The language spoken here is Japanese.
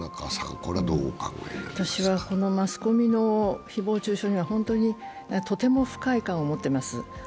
私はマスコミの誹謗中傷には、とても不快感を持っています。